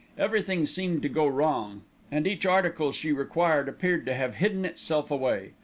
Everything seemed to go wrong, and each article she required appeared to have hidden itself away.